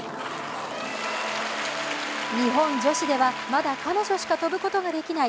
日本女子ではまだ彼女しか跳ぶことができない